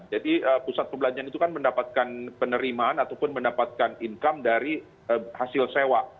jadi pusat belanja itu kan mendapatkan penerimaan ataupun mendapatkan income dari hasil sewa